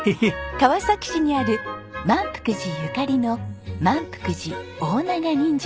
川崎市にある万福寺ゆかりの「万福寺大長人参」です。